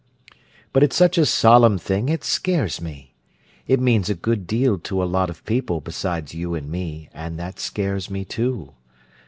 But it's such a solemn thing it scares me. It means a good deal to a lot of people besides you and me, and that scares me, too.